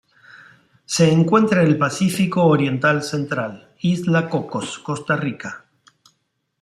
Se encuentra en el Pacífico oriental central: Isla Cocos Costa Rica.